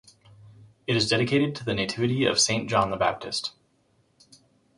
It is dedicated to the Nativity of Saint John the Baptist.